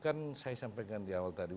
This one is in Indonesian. kan saya sampaikan di awal tadi